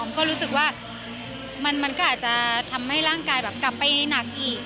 ก็รู้สึกว่ามันก็อาจจะทำให้ร่างกายแบบกลับไปหนักอีก